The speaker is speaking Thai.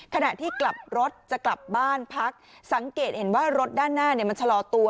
ขณะที่กลับรถจะกลับบ้านพักสังเกตเห็นว่ารถด้านหน้ามันชะลอตัว